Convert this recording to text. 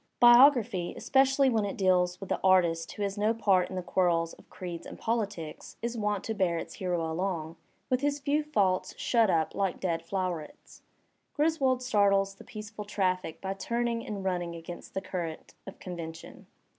Biography, especially when it deals with the artist who has no part in the quarrels of creeds and politics, is wont to bear its hero along ^'with his few faults shut up like dead flowerets." Griswold startles the peaceful traffic by tiuning and running against the cur rent of convention.